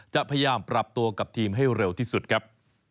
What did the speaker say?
จะพยายามปรับตัวกับทีมให้เร็วที่สุดครับ